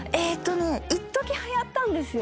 いっときはやったんですよ。